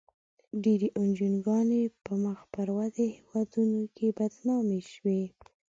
ډېری انجوګانې په مخ پر ودې هېوادونو کې بدنامې شوې.